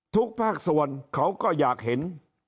ทุกภาคส่วนเขาก็อยากเห็น